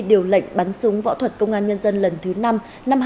điều lệnh bắn súng võ thuật công an nhân dân lần thứ năm năm hai nghìn một mươi chín